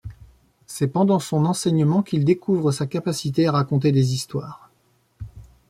C'est pendant son enseignement qu'il découvre sa capacité à raconter des histoires.